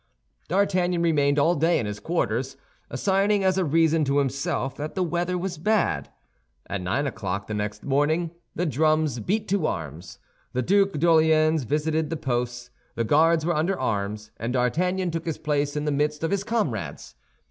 D'Artagnan remained all day in his quarters, assigning as a reason to himself that the weather was bad. At nine o'clock the next morning, the drums beat to arms. The Duc d'Orléans visited the posts. The guards were under arms, and D'Artagnan took his place in the midst of his comrades.